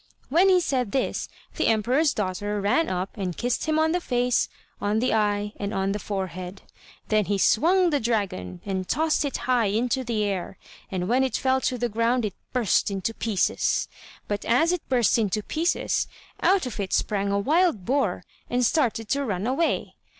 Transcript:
When he said this, the emperor's daughter ran up and kissed him on the face, on the eye, and on the forehead. Then he swung the dragon, and tossed it high into the air, and when it fell to the ground it burst into pieces. But as it burst into pieces, out of it sprang a wild boar, and started to run away.